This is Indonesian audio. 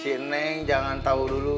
si neng jangan tau dulu